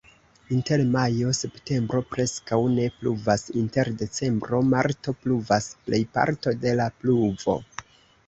Inter majo-septembro preskaŭ ne pluvas, inter decembro-marto pluvas plejparto de la pluvo.